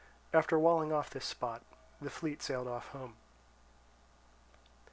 After walling off this spot, the fleet sailed off home.